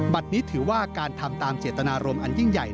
บัตรนี้ถือว่าการทำตามเจตนารมณ์อันยิ่งใหญ่